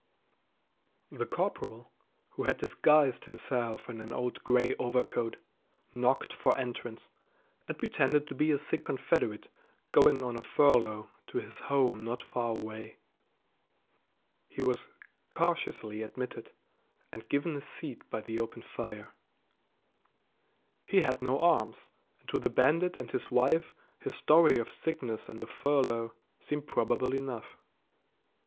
The corporal, who had disguised himself in an old gray overcoat, knocked for entrance, and pretended to be a sick Confederate going on a furlough to his home not far away. He was cautiously admitted and given a seat by the open fire. He had no arms, and to the bandit and his wife his story of sickness and a furlough seemed probable enough.